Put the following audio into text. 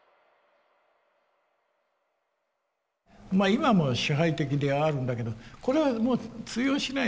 今も支配的ではあるんだけどこれはもう通用しない。